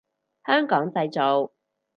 香港製造